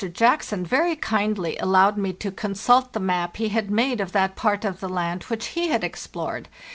Jack son very kindly allowed me to consult the map he had made of that part of the land which he had explored.